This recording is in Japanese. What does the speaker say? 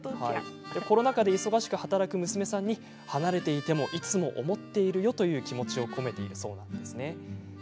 コロナ禍で忙しく働く娘さんに離れていてもいつも思っているよ、という気持ちを込めているそうです。